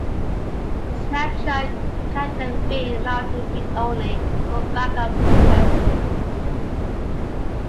The snapshot can then be mounted read-only for backup purposes.